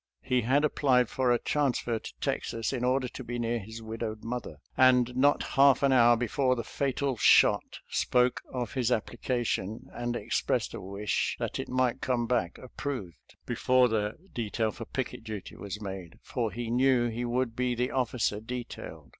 He had applied for a transfer to Texas, in order to be near his widowed mother, and not half an hour before the fatal shot, spoke of his applica tion and expressed a wish that it might come back, approved, before the detail for picket duty was made, for he knew he would be the officer detailed.